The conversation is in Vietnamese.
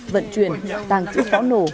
vận chuyển tàng trị khó nổ